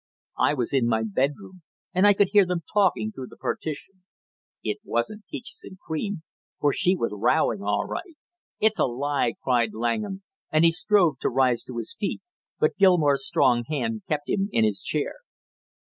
I was in my bedroom and I could hear them talking through the partition. It wasn't peaches and cream, for she was rowing all right!" "It's a lie!" cried Langham, and he strove to rise to his feet, but Gilmore's strong hand kept him in his chair.